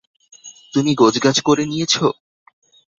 তুমি গোছগাছ করে নিয়েছ?